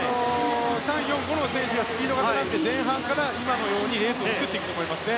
３、４、５の選手がスピード型なので前半から、今のようにレースを作っていくと思いますね。